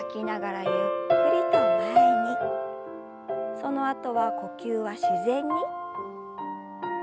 そのあとは呼吸は自然に。